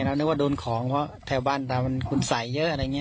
เรานึกว่าโดนของเพราะแถวบ้านเรามันคุณใส่เยอะอะไรอย่างนี้